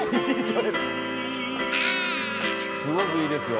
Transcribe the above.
すごくいいですよ。